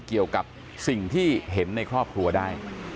เกี่ยวกับสิ่งที่เห็นในครอบครัวได้